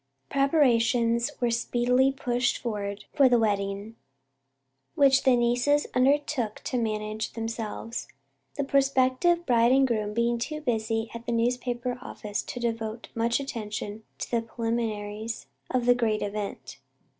Preparations were speedily pushed forward for the wedding, which the nieces undertook to manage themselves, the prospective bride and groom being too busy at the newspaper office to devote much attention to the preliminaries of the great event.